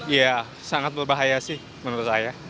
iya sangat berbahaya sih menurut saya